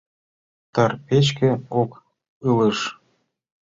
Тар печке ок ылыж.